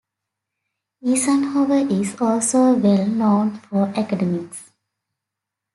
Eisenhower is also well known for academics.